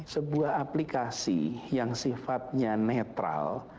sebuah aplikasi yang sifatnya netral